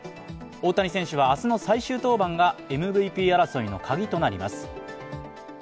大谷選手は明日の最終登板がＭＶＰ争いの鍵となります。